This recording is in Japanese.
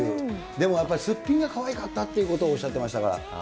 でもやっぱり、すっぴんがかわいかったっていうことをおっしゃってましたから。